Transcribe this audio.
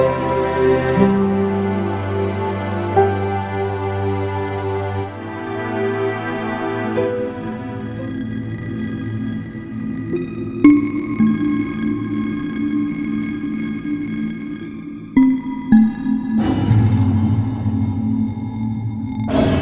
ya udah deh